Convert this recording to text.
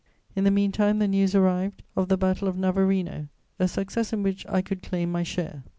In the meantime, the news arrived of the Battle of Navarino, a success in which I could claim my share.